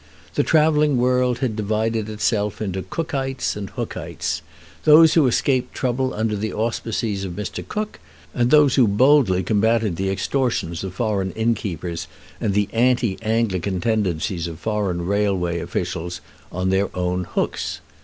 The travelling world had divided itself into Cookites and Hookites; those who escaped trouble under the auspices of Mr. Cook, and those who boldly combated the extortions of foreign innkeepers and the anti Anglican tendencies of foreign railway officials "on their own hooks."